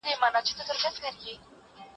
کړه یې وا لکه ګره د تورو زلفو